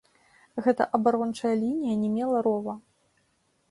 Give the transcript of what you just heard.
Гэта абарончая лінія не мела рова.